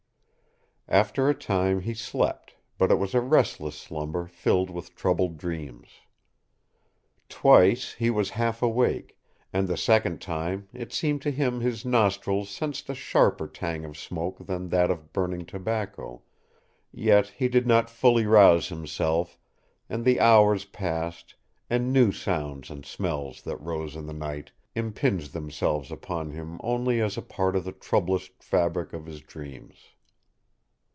After a time he slept, but it was a restless slumber filled with troubled dreams. Twice he was half awake, and the second time it seemed to him his nostrils sensed a sharper tang of smoke than that of burning tobacco, yet he did not fully rouse himself, and the hours passed, and new sounds and smells that rose in the night impinged themselves upon him only as a part of the troublous fabric of his dreams.